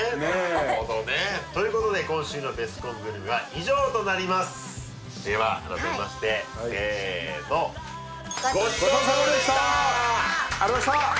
なるほどねということで今週のベスコングルメは以上となりますでは改めましてせのありがとうございました